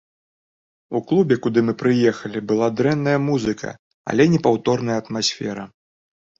У клубе, куды мы прыехалі, была дрэнная музыка, але непаўторная атмасфера.